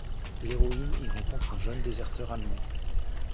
L'héroïne y rencontre un jeune déserteur allemand.